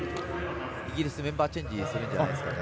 イギリス、メンバーチェンジするんですかね。